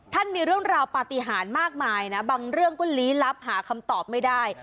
มีเรื่องราวปฏิหารมากมายนะบางเรื่องก็ลี้ลับหาคำตอบไม่ได้